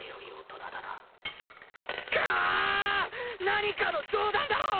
何かの冗談だろ！